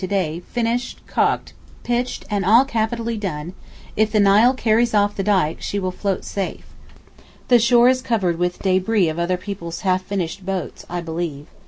to day, finished, caulked, pitched and all capitally done; if the Nile carries off the dyke, she will float safe. The shore is covered with débris of other people's half finished boats I believe.